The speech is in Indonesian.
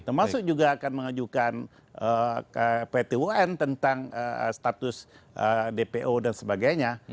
termasuk juga akan mengajukan pt un tentang status dpo dan sebagainya